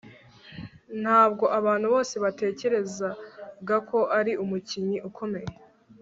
Ntabwo abantu bose batekerezaga ko ari umukinnyi ukomeye